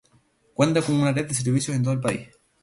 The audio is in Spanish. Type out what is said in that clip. Cuenta con una red de servicios en todo el país.